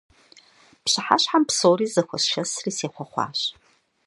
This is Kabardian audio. Пщыхьэщхьэм псори зэхуэсшэсри сехъуэхъуащ.